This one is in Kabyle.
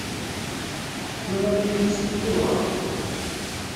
Tetturar atinis deffir uɣerbaz.